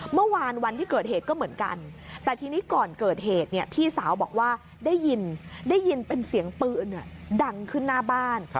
วันที่เกิดเหตุก็เหมือนกันแต่ทีนี้ก่อนเกิดเหตุเนี่ยพี่สาวบอกว่าได้ยินได้ยินเป็นเสียงปืนดังขึ้นหน้าบ้าน